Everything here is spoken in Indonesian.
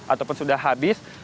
ataupun sudah habis